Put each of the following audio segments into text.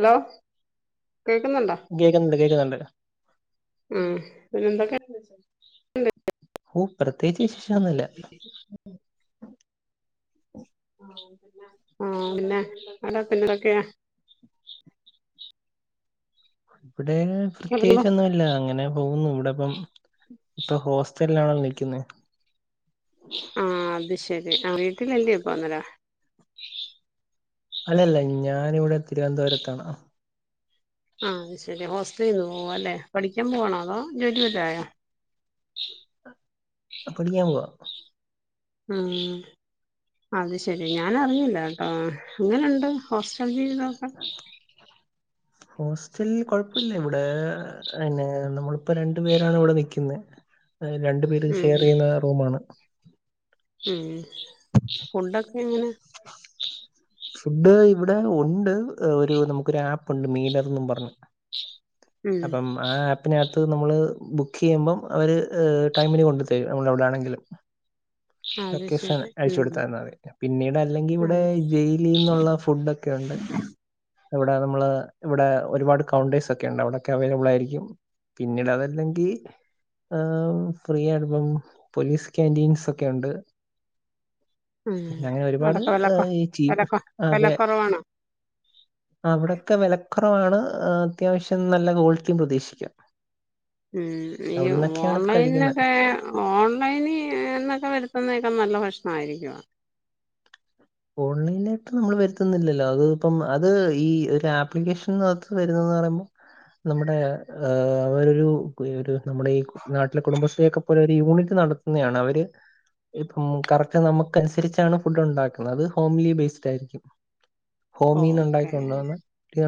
Hello കേൾക്കുന്നുണ്ടോ കേക്കുന്നുണ്ട് കേക്കുന്നുണ്ട് ആഹ് പിന്നെ എന്തൊക്കെണ്ട് [unintelligible] ഓഹ് പ്രത്യേകിച്ച് വിശേഷം ഒന്നുല്ല ആഹ് ആഹ് അവിടെ പിന്നെ [unintelligible] പിന്നെതൊക്കെയാ ഇവിടെ പ്രത്യേകിച്ചൊന്നും ഇല്ല അങ്ങനെ പോകുന്നു ഇവിടെ ഇപ്പം ഇപ്പൊ ഹോസ്റ്റൽ [unintelligible] നിൽക്കുന്നെ ആഹ് അത് ശെരി ആഹ് വീട്ടിലെല്ല പോന്നല്ലോ അല്ലല്ല ഞാനിവിടെ തിരുവനന്തപുരത്താണ് ആഹ് ശരി ഹോസ്റ്റലിൽ നിന്ന് പോവ അല്ലേ പഠിക്കാൻ പോവാണോ അതോ ജോലി വല്ലായോ ആഹ് പ്പഠിക്കാൻ പോവാ ഉം അത് ശെരി ഞാനറിഞ്ഞില്ലേ കേട്ടോ എങ്ങനെുണ്ട് ഹോസ്റ്റൽ ജീവിതൊക്കെ ഹോസ്റ്റൽ കൊഴപ്പില്ല ഇവിടെ പിന്നെ നമ്മളിപ്പോ രണ്ടു പേരാണ് ഇവിടെ നിൽക്കുന്നത് രണ്ടു പേര് ഉം ഷെയർ യ്യുന്ന റൂമാണ് ഉംമ് ഫുഡൊക്കെ എങ്ങനെ ഫുഡ് ഇവിടെ ഉണ്ട് ഒരു നമുക്കൊരു ഒരു ആപ്പുണ്ട് മീലർന്നു പറഞ് ഉം അപ്പം ആഹ് ആ ആപ്പിനകത്ത് നമ്മള് ബുക്ക് ചെയ്യുമ്പം അവര് ടൈമിന് കൊണ്ടു തരും നമ്മൾ എവിടെ ആണെങ്കിലും അത് ലൊക്കേഷൻ ശരി അയച്ചു ഉം കൊടുത്ത ന്ന അത് പിന്നീട് അല്ലെങ്കി ഉം ഇവിടെ ജയിലിന്നുള്ള ഫുഡോക്കെ ഉണ്ട് ഇവിടെ നമ്മള് ഇവിടെ ഒരുപാട് കൌണ്ടേഴ്സ് ഒക്കെ ഉണ്ട് അവിടെക്കെ അവൈലബിൾ ആയിരിക്കും പിന്നീട് അതല്ലെങ്കിൽ ആഹ് ഫ്രീ ആയിട്ട് പോലീസ് ക്യാന്റീൻസ് ഒക്കെ ക്കെണ്ട് ഉം അങ്ങനെ ഒരുപാട് അവിടൊക്കെ വില കൊ ഈ ചീ വില കൊ വില വേ കുറവാണോ അവിടെയൊക്കെ വെലക്കുറവാണ് അത്യാവശ്യം നല്ല ക്വാളിറ്റിയും പ്രതീക്ഷിക്കാം ഉം മ് ഈ അവിടെ നിന്നൊക്കെയാണ് ഇപ്പൊ കഴിക്കുന്നത് ഓൺലൈനൊക്കെ ഓൺലൈനി എന്നൊക്കെ വരുത്തുന്നേക്കെ നല്ല ഭക്ഷ്ണംമായിരിക്കുവോ ഓൺലൈനായിട്ട് നമ്മൾ വരുത്തുന്നില്ലല്ലോ അത് ഇപ്പം അത് ഈ ഒരു ആപ്ലിക്കേഷൻകത്ത് വരുന്നന്ന് പറയുമ്പോ നമ്മുടെ അവരൊരു ഒരു നമ്മുടെ ഈ നാട്ടിലെ കുടുംബശ്രീയൊക്കെ പോലെ ഒരു യൂണിറ്റ് നടത്തുന്നതാണ് അവര് ഇപ്പം കറക്റ്റ് നമുക്ക് അനുസരിച്ചാണ് ഫുഡ് ണ്ടാക്കു അത് ഹോംലി ബേസ്ഡ് ആയിരിക്കും ഹോമിന്ന് ഉണ്ടാക്കി ഓക്കെ കൊണ്ടുപന്ന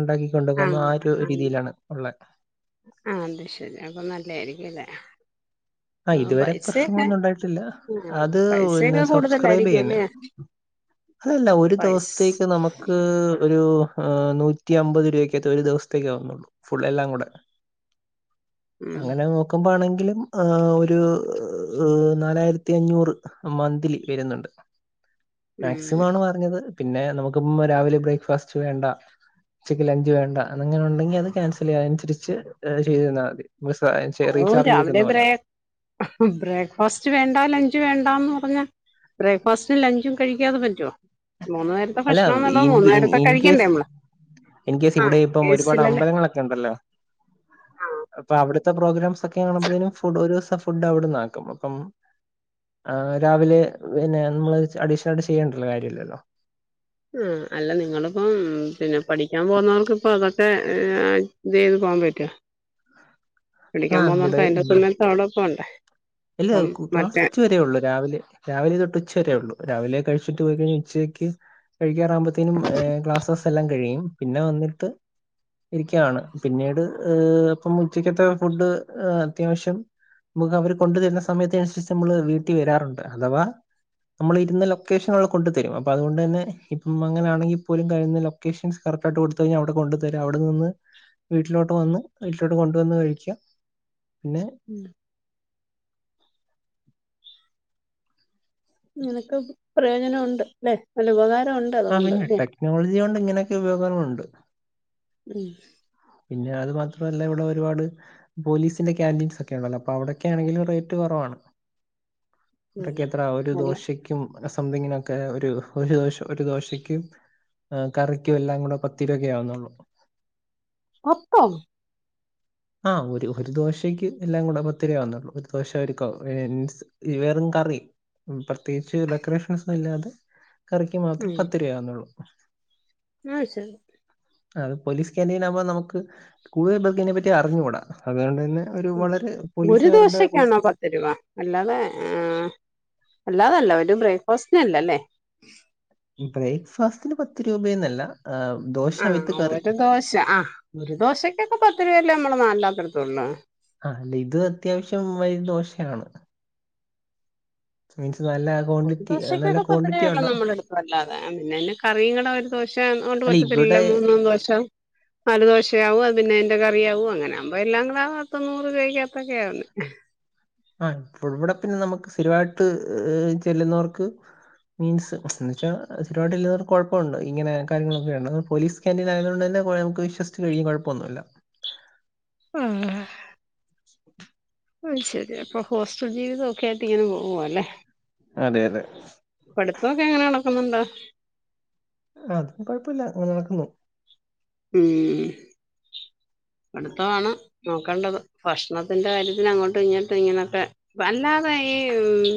ഉണ്ടാക്കി കൊണ്ടു പോന്ന ആ ഒരു രീതിയിലാണ് ഉള്ള ആഹ് അത് ശരി അപ്പൊ നല്ലായിരിക്കുംല്ലേ ആഹ് ഇതുവരെ പ്രശ്നങ്ങളൊന്നും ഉണ്ടായിട്ടില്ല ആ അത് പിന്നെ പൈസയൊക്കെ സബ്സ്ക്രൈബ് കൂടുതലായിരിക്കും യ്യന്ന അല്ലേ അല്ലല്ല ഒരു പൈസ ദിവസത്തേക്ക് നമു മുക്ക് ഒരു നൂറ്റി അമ്പത് രൂപക്കകത്ത ഒരു ദിവസത്തേക്ക ആകുന്നുള്ളൂ ഫുൾെല്ലാം കൂടെ ഉം അങ്ങനെ നോക്കുമ്പോ ആണെങ്കിലും ആഹ് ഒരുനാലായിരത്തിഅഞ്ഞൂറ് മന്തിലിവരുന്നുണ്ട് ഉം മാക്സിമാണ്പറഞ്ഞത്പിന്നെ നമുക്കുംരാവിലെബ്രേക്ക്ഫാസ്റ്റ് വേണ്ട ച്ചക്ക്ലഞ്ച് വേണ്ട അങ്ങനെണ്ടെങ്കിഅത് ക്യാൻസെലയ്യാഅയിന് തിരിച്ച്ചെയ്തെന്നാമതി ഓ രാവിലെ സെചെറീചാർജ്ചെയ്തന്നപോലെ ബ്രേ ബ്രേക്ക്ഫാസ്റ്റ് വേണ്ടലഞ്ച് വേണ്ടാന്ന്പറഞ്ഞ ബ്രേക്ക്ഫാസ്റ്റുംലഞ്ചുംകഴിക്കാതെ പറ്റൊമൂന്നുനേരത്തെ അല്ല ഭക്ഷണന്നല്ലോമൂന്നനേരത്തെ കഴിക്കണ്ടേമ്മള് എനിക്കേസി ഇവിടെഇപ്പംഒരുപാട് അമ്പലങ്ങളൊക്കെണ്ടല്ലോ ആ അപ്പൊഅവിടുത്തെപ്രോഗ്രാംസ് ഒക്കെകാണുമ്പോഴേനും ഫു ഒരുസം ഫുഡ്അവിടന്നാക്കുംഅപ്പം ആഹ് രാവിലെ പിന്നെ നമ്മള് അഡീഷനായിട്ട് ചെയ്യേണ്ടല്ലോ കാര്യല്ലല്ലോ ആഹ് അല്ല നിങ്ങളിപ്പം പിന്നെ പഠിക്കാൻ പോന്നോർക്കിപ്പം അതൊക്കെ ഏഹ് ഇത ന്ന് പോവാൻ പറ്റോ വിളിക്കാൻ ആഹ് പോന്നോർക്ക് ഇവിടെ അതിന്റെ ഉം സമയത്തവിടെ പോണ്ടേ അപ്പം മറ്റേ ത്തെരെ ഒള്ളൂ രാവിലെ രാവിലെ തൊട്ട് ഉച്ചവരേയെ ഒള്ളൂ രാവിലെ കഴിച്ചിട്ട് പോയി കഴിഞ്ഞാ ഉച്ചയ്ക്ക് കഴിക്കാറാകുമ്പത്തേനും ക്ലാസസെല്ലാം കഴിയും പിന്നെ വന്നിട്ട് ഇരിക്കയാണ് പിന്നീട് ഏഹ് ഇപ്പം ഉച്ചക്കത്തെ ഫുഡ് അത്യാവശ്യം നമുക്കവര് കൊണ്ടുതരുന്ന സമയത്തനുസരിച്ച് നമ്മള് വീട്ടി വരാറുണ്ട് അഥവാ നമ്മൾ ഇരുന്നലൊക്കേഷനുകൾ കൊണ്ടുതരും അപ്പൊ അതുകൊണ്ടെന്നെ ഇപ്പം അങ്ങനാണെങ്കിപോലും കഴിയുന്ന ലൊക്ക് ലൊക്കേഷൻസ് കറക്റ്റായിട്ട് കൊടുത്ത് കഴിഞ്ഞാ അവിടെ കൊണ്ടുതരും അവിടെനിന്ന് വീട്ടിലോട്ട് വന്ന് വീട്ടിലോട്ട് കൊണ്ടുവന്ന് കഴിക്കാ പിന്നെ ഉം നിനക്കും പ്രയോജനം ഒണ്ട്ല്ലെ നല്ല ഉപകാര ആഹ് പിന്നെ ടെക്നോളജികൊണ്ട് ഇങ്ങനെയൊക്കെ ഉപയോഗങ്ങളുണ്ട്. ഉം പിന്നെ അത് മാത്രല്ല ഇവിടെ ഒരുപാട് പോലീസിന്റെ കാന്റീൻസൊക്കെണ്ടല്ലോ അപ്പോ അവിടൊക്കെയാണെങ്കിലും റേറ്റ് കൊറവാണ്. ഉം ട്ടെക്കെത്രാ നല്ല ഒരുദോശക്ക് ക്കും സംതിങ്ങിനൊക്കെ ഒരു ഒരു ദോശ ഒരു ദോശക്കും ഏഹ് കറിക്കും എല്ലാം കൂടെ പത്തി രൂപക്കെയാവുന്നൊള്ളൂ പത്തോ? ആഹ് ഒരു ഒരുദോശക്ക് എല്ലാം കൂടെ പത്ത് രൂപയാവന്നോള്ളൂ ഒരു ദോശ ഒരു ക മീൻസ് ഈ വെറും കറി പ്രത്യേകിച്ച് ഡെക്കറേഷൻസൊന്നുല്ലാതെ കറിക്ക് മാത്രം ഉം പത്ത് രൂപയെ ആവുന്നോള്ളൂ ആഹ് ഷെൽ അത് പോലീസ്കാന്റീനകുമ്പോ നമുക്ക് കൂടുതൽ പേർക്കതിനെപറ്റി അറിഞ്ഞൂടാ അതുകൊണ്ടെന്നെ ഒരു വളരെ പോലീസുകാരുടെ പോലീസ് തരുവാ അല്ലാതെ ആഹ് അല്ലാതല്ലാ ഒരു ബ്രേക്ക് ഫാസ്റ്റിനല്ലല്ലേ ബ്രേക്ക് ഫാസ്റ്റിന് പത്ത് രൂപയെന്നെല്ലാ ഏഹ് ആഹ് ഒര് ദോശ ആഹ് ഒരു ദോശക്കൊക്കെ പത്ത് രൂപയല്ലേ നമ്മളെ നാട്ടി [unintelligible] ആഹ് അല്ല ഇത് അത്യാവശ്യം വയി ദോശയാണ് മീൻസ് നല്ല ഒരു ക്വാണ്ടിറ്റി നല്ല ദോശക്കൊക്കെ ക്വാണ്ടിറ്റി പത്തുരൂപയെ ഒള്ളൂ ഉണ്ടോ നമ്മടെ അടുത്തും അല്ലാതെ പിന്നെ അയിന് കറീകള് ഒരുദോശെ കൊണ്ട് അല്ല ത്തില്ല ഇവിടെ മൂന്നും ദോശ നാലുദോശയാവും അത് പിന്നെ അയ്ന്റെ കറിയാവും അങ്ങനാവുമ്പോ എല്ലാം കൂടെ പത്ത് നൂറ് [unintelligible] ആഹ് ഇവിടെ പിന്നെ നമ്മക്ക് സ്ഥിരവായിട്ട് ചെല്ലുന്നവർക്ക് മീൻസ് എന്ന് വെച്ചാ സ്ഥിരവായിട്ട് കൊഴപ്പൊണ്ട് ഇങ്ങനെ കാര്യങ്ങളൊക്കെയൊണ്ട് പോലീസ് ക്യാന്റീനായത്കൊണ്ട് തന്നെ കൊഴ് നമ്മക്ക് വിശ്വസിച്ച് കഴിക്കാം കൊഴപ്പൊന്നുല്ലാ ഉം ഉം ഉം അയ് ശെരി അപ്പൊ ഹോസ്റ്റൽ ജീവിതോക്കെ ആയിട്ട് ഇങ്ങനെ പോവുവാ അല്ലേ അതെ അതെ പഠിത്തം ഒക്കെ എങ്ങനെ നടക്കുന്നുണ്ട് അത് ഒന്നും കൊഴപ്പയില്ല ഇങ്ങനെ നടക്കുന്നു ഉം പഠിത്തവാണ് നോക്കേണ്ടത് ഭക്ഷണത്തിന്റെ കാര്യത്തിന് അങ്ങോട്ടും ഇങ്ങോട്ടും ഇങ്ങനൊക്കെ അല്ലാതെ ഈ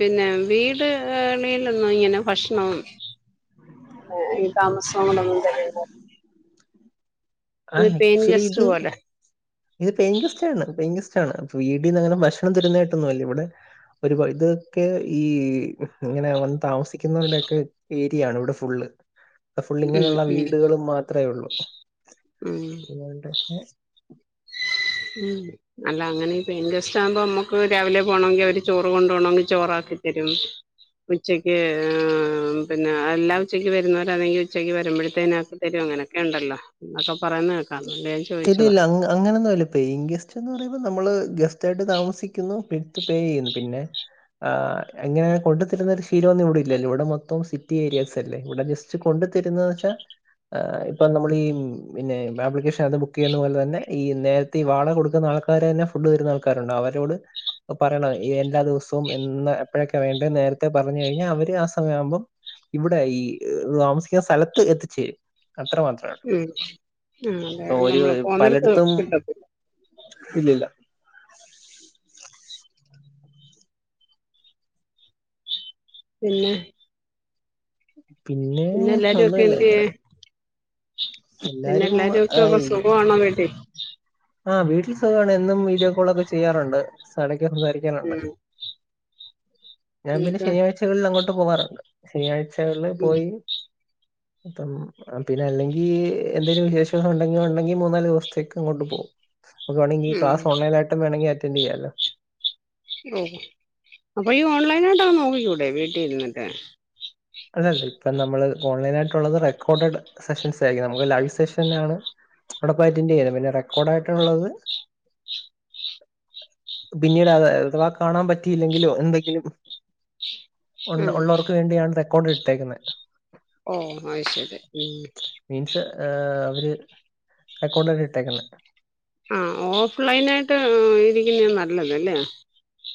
പിന്നെ വീട് [unintelligible] ഇങ്ങനെ ഭക്ഷണം താമസവും കൂടെ ആ ഇത് പെയിൻ ആക്ച്വലി ഗസ്റ്റ് ഇത് പോലെ ഇത് പെയിൻ ഗസ്റ്റാണ് പെയിൻ ഗസ്റ്റാണ് ഇപ്പ വീട്ടിന്നങ്ങനെ ഭക്ഷണം തരുന്നായിട്ടൊന്നും അല്ല ഇവിടെ ഒരു ഇതൊക്കെ ഈ ഇങ്ങനെ വന്ന് താമസിക്കുന്നവരുടെക്കെ ഏരിയാണ് ഇവിടെ ഫുള്ള് ഫുള്ള് ഉം ഇങ്ങനൊള്ള ഉം വീടുകളും മാത്രേ ഒള്ളൂ ഉം അതൊണ്ട് ഏഹ് ഉം അല്ല അങ്ങനെ ഈ പെയിൻ ഗസ്റ്റാകുമ്പോ നമ്മക്ക് രാവിലെ പോണോങ്കി അവര് ചോറ് കൊണ്ട് പോണോങ്കി ചോറാക്കിത്തരും ഉച്ചയ്ക്ക് ആഹ് പിന്നെ എല്ലാ ഉച്ചക്ക് വരുന്നവരാണെങ്കിൽ ഉച്ചക്ക് വരുമ്പോഴത്തേനാക്കും തരും അങ്ങനെയൊക്കെ ഒണ്ടല്ലാ എന്നൊക്കെ പറയുന്ന കേക്കാ ഇല്ലില്ല അങ്ങനൊന്നും ഇല്ല പെയിൻ ഗസ്റ്റ് എന്ന് പറയുമ്പോ നമ്മള് ഗസ് റ്റായിട്ട് താമസിക്കുന്നു [unintelligible] പേ ചെയ്യുന്നു പിന്നെ ആഹ് അങ്ങന കൊണ്ടു തരുന്നൊരു ശീലം ഒന്നും ഇവിടില്ലല്ലോ ഇവിടെ മൊത്തം സിറ്റി ഏരിയാസ് അല്ലേ ഇവിടെ ജസ് റ്റ് കൊണ്ടു തരുന്നന്ന് വെച്ചാ ആഹ് ഇപ്പം നമ്മളീ ഉം പിന്നെ ആപ്ലിക്കേഷൻ അത് ബുക്ക് ചെയ്യുന്ന പോലെ തന്നെ ഈ നേരത്തെ വാടക കൊടുക്കുന്ന ആൾക്കാരെന്നെ ഫുഡ് തരുന്ന ആൾക്കാരുണ്ട് അവരോട് പറയണം എല്ലാ ദിവസവും എന്ന് എപ്പോഴൊക്കെ വേണ്ട എന്ന് നേരത്തെ പറഞ്ഞു കഴിഞ്ഞാ അവര് ആ സമയം ആവുമ്പം ഇവിടെ ഈ താമസിക്കുന്ന സ്ഥലത്ത് എത്തിച്ച് തരും അത്ര മാത്രൊള്ളു ഉം ഉം അതെ നമ്മള് ഇപ്പോ പോന്നിടത്ത് പലയിടത്തും കിട്ടത്തില്ല ഇല്ലില്ല പിന്നെ പിന്നെ എല്ലാരുവൊക്കെ ഒന്നുമില്ല എന്തിയേ ഇങ്ങനെ പിന്നെ എല്ലാരും ഒക്കെ ഈ സുഖവാണോ വീട്ടി ആഹ് വീട്ടിൽ സുഖവാണ് എന്നും വീഡിയോ കോളൊക്കെ ചെയ്യാറൊണ്ട് [unintelligible] സംസാരിക്കാറുണ്ട് ഉം ഞാൻ പിന്നെ ഇനിയിപ്പോ ശനിയാഴ്ചകളിൽ അങ്ങോട്ട് പോകാറുണ്ട് ശനിയാഴ്ചകളില് ഉം പോയി മൊത്തം ആഹ് പിന്നല്ലങ്കി എന്തേലും വിശേഷ ദിവസം ഒണ്ടെങ്കി ഒണ്ടെങ്കി മൂന്നാല് ദിവസത്തേക്ക് അങ്ങോട്ട് പോകും നമുക്ക് വേണങ്കി ഉം ക്ലാസ് ഓൺലൈനായിട്ടു വേണോങ്കി അറ്റൻ്റ് ചെയ്യാലോ ഓഹ് അപ്പൊ ഈ ഓൺലൈനായിട്ടങ്ങ് നോക്കിക്കൂടെ വീട്ടിഇരുന്നിട്ട് അല്ലല്ല ഇപ്പം നമ്മള് ഓൺലൈനായിട്ടൊള്ളത് റെക്കോർഡഡ് സെഷൻസ് ആയിരിക്കും നമുക്ക് ലൈവ് സെഷനിലാണ് അവടെ പോയി അറ്റൻ്റ് ചെയ്യാലോ പിന്നെ റെക്കോർഡ് ആയിട്ടൊള്ളത് പിന്നീട് അത അഥവാ കാണാൻ പറ്റിയില്ലെങ്കിലോ എന്തെങ്കിലും ഒണ്ട് ഉം ഒള്ളോർക്കു വേണ്ടിയാണ് റെക്കോർഡ് എടുത്തേക്കുന്നെ ഓഹ് അത് ശരി ഉം മീൻസ് ഏഹ് അവര് റെക്കോഡായിട്ടിട്ടേക്കുന്നെ ആഹ് ഓഫ് ലൈനായിട്ട് ഉം ഇരിക്കുന്നയാ നല്ലത് ഇല്ലേ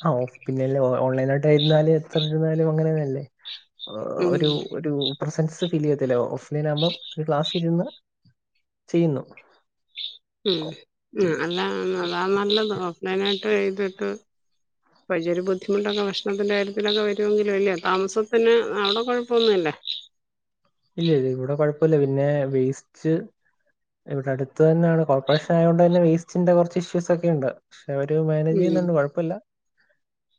ആഹ് ഓഫ് പിന്ന അല്ലേ ഓൺലൈനായിട്ടേ ഇരുന്നാല് എത്രരൂപയാലും അങ്ങനെ തന്നല്ലേ ആഹ് ഉം ഒരു ഒരു പ്രസൻസ് ഫീൽ ചെയ്യത്തില്ല ഓഫ് ലൈൻ ആകുമ്പം ഒരു ക്ലാസ്സി ഇരുന്ന് ചെയ്യുന്നു ഉം ഉം അല്ല അതാ നല്ലത് ഓഫ് ലൈനായിട്ട് ചെയ്തിട്ട് വലിയ ഒരു ബുദ്ധിമുട്ടൊക്കെ ഭക്ഷണത്തിന്റെ കാര്യത്തിലൊക്കെ വരുവെങ്കിലും അല്ലേ താമസത്തിന് അവിടെ കൊഴപ്പവൊന്നുവില്ലേ ഇല്ല ഇല്ല ഇവടെ കുഴപ്പവില്ല പിന്നെ വേസ്റ്റ് ഇവിടെ അടുത്ത് തന്നാണ് കോർപ്പറേഷൻ ആയകൊണ്ട് തന്നെ വേസ്റ്റിന്റെ കൊറച്ച് ഇഷ്യൂസ് ഒക്കെ ഉണ്ട് പക്ഷെ അവര് മാനേജ് ഉം ചെയ്യുന്നൊണ്ട് കൊഴപ്പവില്ല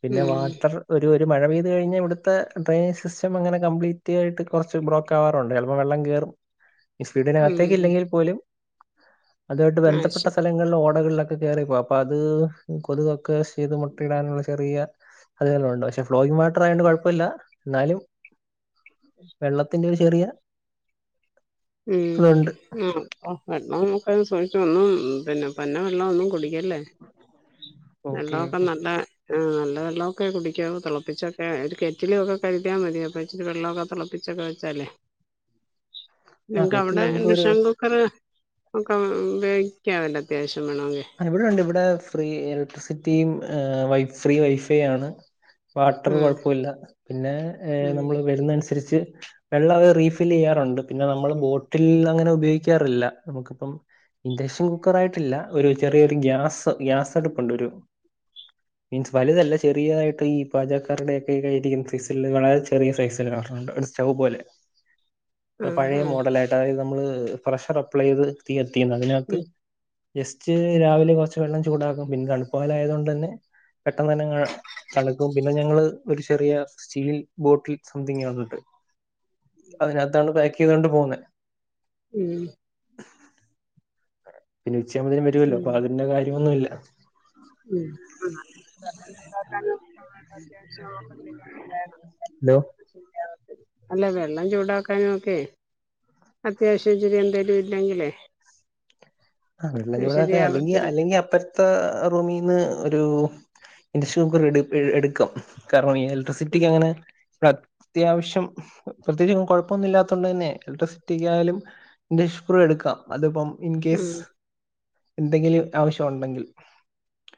പിന്നെ ഉം വാട്ടർ ഒരു ഒരു മഴ പെയ്ത് കഴിഞ്ഞാ ഇവിടുത്തെ ഡ്രയനിംഗ് സിസ്റ്റം അങ്ങനെ കംപ്ലീറ്റ് ആയിട്ട് കൊറച്ച് ബ്ലോ ക്കാവാറൊണ്ട് ചെലപ്പം വെള്ളം കേറും ഈ ഉം സ്പീഡിനകത്തേക്ക് ഇല്ലെങ്കിൽ പോലും അതുമായിട്ട് ആഹ് ബന്ധപ്പെട്ട ശരി സ്ഥല ങ്ങള ഓടകളിലൊക്കെ കയറിപ്പോ അപ്പത് കൊതുകൊക്കെ ചെയ്ത് മുട്ടയിടാനുള്ള ചെറിയ അതിനെല്ലാണ്ട് പക്ഷെ ഫ്ലോയിങ് വാട്ടർ ആയോണ്ട് കൊഴപ്പല്ല എന്നാലും വെള്ള ത്തിന്റെ ഒരു ചെറിയ ഉ ഇതുണ്ട് ആ വെള്ളം [unintelligible] വെള്ളം ഒന്നും കൂടി ല്ലേ ഓക്കെ വെള്ളോക്കെ ഓക്കെ നല്ല ആ നല്ല വെള്ളോക്കെ കുടിക്കാവൂ തിളപ്പിച്ചൊക്കെ ഒരു കെറ്റിൽ ഒക്കെ കരുതിയാമതി അപ്പ ഇച്ചിരി വെള്ളമക്കെ തിള പിച്ച് ഒക്കെ വെച്ചാലേ ആ നിങ്ങക്ക് കെറ്റിൽ അവടെ നമുക്ക് ഒരു ഇൻഡക്ഷൻ കുക്കറ് ഒക്കെ ഉപയോഗിക്കാവല്ലോ അത്യാവശ്യം വേണമെങ്കി ഇവടെ ഉണ്ട് ഇവടെ ഫ്രീ ഇലക്ട്രിസിറ്റിയും ഫ്രീ വൈഫൈ ആണ്. വാട്ടർ ഉം കൊഴപ്പല്ല പിന്നെ ഏ ഉം നമ്മള് വരുന്ന അനുസരിച്ച് വെള്ള അത് റീഫില്ല് ചെയ്യാറുണ്ട് പിന്നെ നമ്മള് ബോട്ടിൽ അങ്ങനെ ഉപയോഗിക്കാറില്ല നമുക്കിപ്പം ഇൻഡക്ഷൻ കുക്കർ ആയിട്ടില്ല ഒരു ചെറിയൊരു ഗ്യാസ് ഗ്യാസടുപ്പുണ്ട് ഒരു മീൻസ് വലുതല്ല ചെറിയതായിട്ട് ഈ പാചക്കാരുടെയൊക്കെ കയ്യിലിരിക്കുന്ന സൈസില് വളരെ ചെറിയ സൈസ്ണ്ട് സ്റ്റൗ പോലെ ആഹ് പഴയ ആഹ് മോഡല ആയിട്ട അതായത് നമ്മള് ഫ്രഷർ അപ്ലൈ ചെയ്ത് തീ കത്തിക്കുന്ന അതിനകത്ത് ഉം ജസ്റ്റ് രാവിലെ കുറച്ച് വെള്ളം ചൂടാക്കും പിന്നെ തണുപ്പു കാല ആയതോണ്ടെന്നെ പെട്ടെന്നെന്നെങ്ങ് തണുക്കും പിന്നെ ഞങ്ങള് ഒരു ചെറിയ സ്റ്റീൽ ബോട്ടിൽ സംതിങ് അതുണ്ട് അതിനകത്താണ് പാക്കയ്തോണ്ട് പോവുന്നെ ഉം ഉച്ച ആകുമ്പോത്തിന് വരുമല്ലോ ഉം അപ്പതിന്റെ കാര്യ ഒന്നുമില്ല. ഉം ആ [inaudible] വേണം ഹലോ അല്ല വെള്ളം ചൂടാക്കാനൊക്കെ അത്യാവശ്യം ഇച്ചിരി എന്തെലും ഇല്ലെങ്കിലേ ആ വെള്ളം അത് ചൂടാക്കാൻ അല്ലെങ്കി ശരിയാവത്തില്ല അല്ലെങ്കി അപ്പ ത്ത റൂമിന്ന് ഒരു ഇൻഡക്ഷൻ കുക്കർ എടു എടുക്കും. കാരണം ഈ എലക്ട്രി ഉം സിറ്റിക്ക് അങ്ങനെ അത്യാവശ്യം പ്രത്യേച്ച് കുഴപ്പമൊന്നുല്ലാതോണ്ട് തന്നെ ഇലക്ട്രിസിറ്റിക്കായാലും ഇന്റക്ഷൻ കുക്കർ എടുക്കാം അതിപ്പം ഇൻ കേസ് ഉം എന്തെങ്കിലും ആവശ്യം ഒണ്ടെങ്കിൽ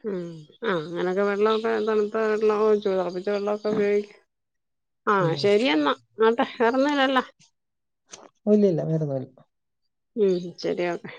ഉം ആ അങ്ങനെക്കെ വെള്ളോക്കെ തണുത്ത വെള്ളം ഒഴിച്ച തളപ്പിച്ച വെള്ളോക്കെ ഉപയോഗിക് ഉം ആഹ് ശരിയെന്നാ ന്നട്ടെ വെറെ ഒന്നും ഇല്ലല്ലോ ഇല്ല ഇല്ല വറൊന്നുല്ല. ഉം ശരി ഓക്കെ